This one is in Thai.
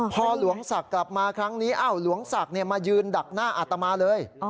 พอหลวงศักดิ์กลับมาครั้งนี้หลวงศักดิ์มายืนดักหน้าอาตมาเลย